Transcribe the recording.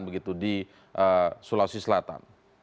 begitu di sulawesi selatan